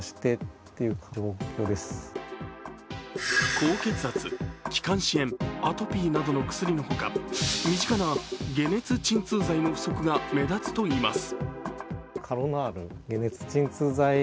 高血圧、気管支炎、アトピーなどの薬のほか、身近な解熱鎮痛剤の不足が目立つといいます。